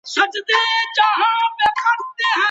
علم باید د انسان د خیر لپاره وکارول سي.